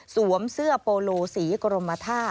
สวมเสื้อโปโลสีกรมท่า